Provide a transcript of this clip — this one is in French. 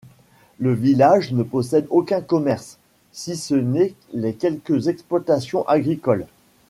Le village ne possède aucun commerce, si ce n'est les quelques exploitations agricoles.